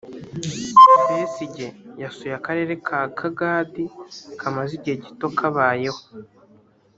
Besigye yasuye akarere ka Kagadi kamaze igihe gito kabayeho